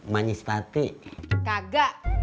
janda yang berhak siapa